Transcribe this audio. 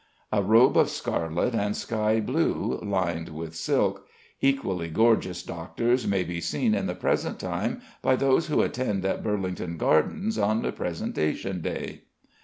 A robe of scarlet and sky blue, lined with silk. Equally gorgeous doctors may be seen at the present time by those who attend at Burlington Gardens on "Presentation Day."